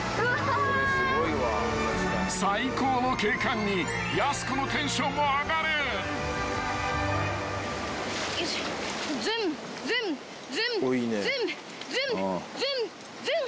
［最高の景観にやす子のテンションも上がる］よいしょ。